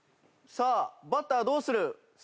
さあバッターどうする？